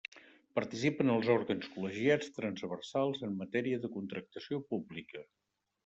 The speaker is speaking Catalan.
Participa en els òrgans col·legiats transversals en matèria de contractació pública.